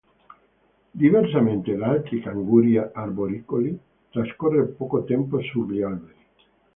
Diversamente da altri canguri arboricoli, trascorre poco tempo sugli alberi.